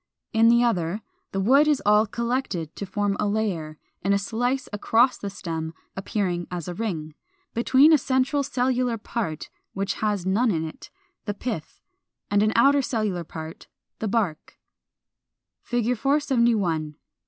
In the other, the wood is all collected to form a layer (in a slice across the stem appearing as a ring) between a central cellular part which has none in it, the Pith, and an outer cellular part, the Bark. [Illustration: Fig. 471.